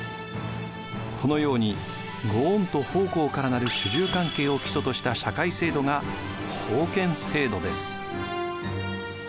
このように御恩と奉公から成る主従関係を基礎とした社会制度が封建制度です。